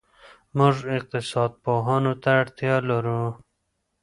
موږ اقتصاد پوهانو ته اړتیا لرو.